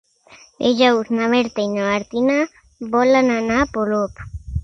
Dijous na Berta i na Martina volen anar a Polop.